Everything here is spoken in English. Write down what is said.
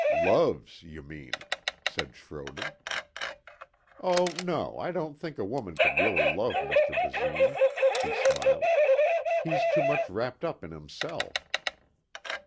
"Loves, you mean," said Schroder. "Oh no, I don't think a woman could really love Mr. Basine," she smiled. "He's too much wrapped up in himself."